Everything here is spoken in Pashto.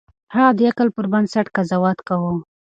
هغه د عقل پر بنسټ قضاوت کاوه.